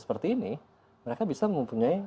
seperti ini mereka bisa mempunyai